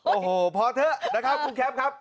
โอ้โหพอเถอะแล้วครับครูแคปครับ